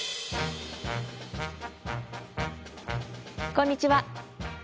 こんにちは。